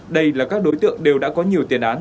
đây là các đối tượng đều đã có nhiều tiền án